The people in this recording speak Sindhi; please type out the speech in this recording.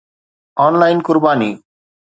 آن لائن قرباني